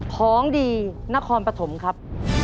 ของดีนครปฐมครับ